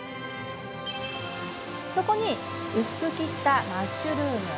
そこに薄く切ったマッシュルーム。